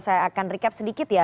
saya akan recap sedikit ya